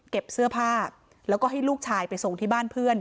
เสื้อผ้าแล้วก็ให้ลูกชายไปส่งที่บ้านเพื่อน